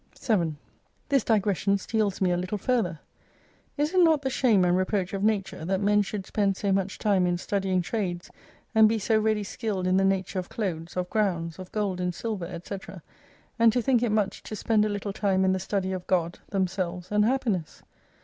7 This digression steals me a little further. Is it not the shame and reproach of Nature, that men should spend so much time in studying trades, and be so ready skilled in the nature of clothes, of grounds, of gold and silver, &c,, and to think it much to spend a little time in the study of God, themselves, and happiness